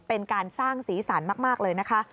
เป็นการสร้างสีสันมากเลยนะคะ